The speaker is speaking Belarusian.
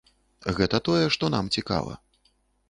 Гэта тое, што нам цікава.